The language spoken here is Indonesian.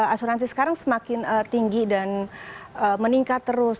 asuransi sekarang semakin tinggi dan meningkat terus